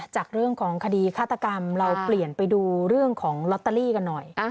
จากเรื่องของคดีฆาตกรรมเราเปลี่ยนไปดูเรื่องของลอตเตอรี่กันหน่อย